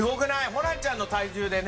ホランちゃんの体重でね。